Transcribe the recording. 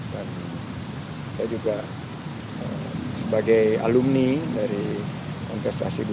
dan saya juga sebagai alumni dari kontestasi dua ribu sembilan belas